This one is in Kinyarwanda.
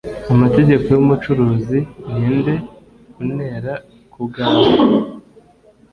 Amategeko yumucuruzi ninde aunera kubwawe